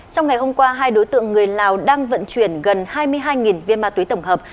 trong ngày hôm qua hai đối tượng người lào đang vận chuyển gần hai mươi hai viên ma túy tổng hợp